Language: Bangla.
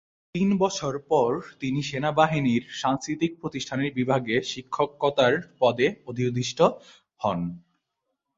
তিন বছর পর তিনি সেনাবাহিনীর সাংস্কৃতিক প্রতিষ্ঠানের বিভাগে শিক্ষকতার পদে অধিষ্ঠিত হন।